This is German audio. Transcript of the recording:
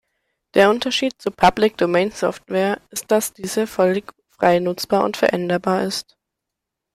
Der Unterschied zu Public-Domain-Software ist, dass diese völlig frei nutzbar und veränderbar ist.